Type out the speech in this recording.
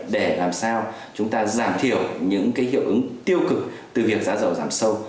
để làm sao chúng ta giảm thiểu những cái hiệu ứng tiêu cực từ việc giá dầu giảm sâu